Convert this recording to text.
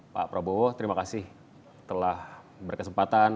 pak prabowo terima kasih telah berkesempatan